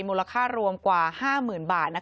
มูลค่ารวมกว่า๕๐๐๐บาท